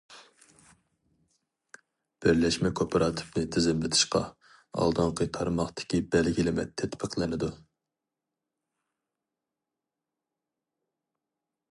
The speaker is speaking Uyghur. بىرلەشمە كوپىراتىپنى تىزىملىتىشقا ئالدىنقى تارماقتىكى بەلگىلىمە تەتبىقلىنىدۇ.